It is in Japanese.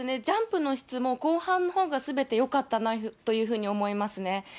ジャンプの質も、後半のほうがすべてよかったなというふうに思いますね。